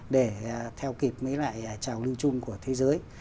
để theo kịp với lại trào lưu chung của thế giới